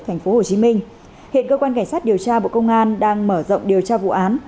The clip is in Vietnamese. thành phố hồ chí minh hiện cơ quan cảnh sát điều tra bộ công an đang mở rộng điều tra vụ án